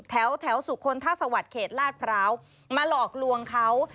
แถวแถวสุขคนถ้าสวัสดิ์เขตลาดพร้าวมาหลอกลวงเขา